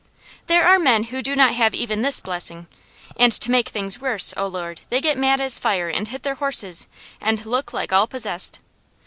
"There are men who do not have even this blessing, and to make things worse, O Lord, they get mad as fire and hit their horses, and look like all possessed.